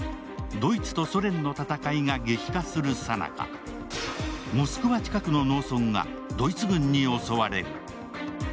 ドイツとソ連の戦いが激化するさなか、モスクワ近くの農村がドイツ軍に襲われる。